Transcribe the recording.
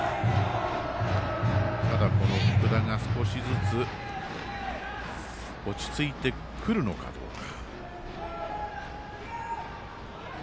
ただ、福田が少しずつ落ち着いてくるのかどうか。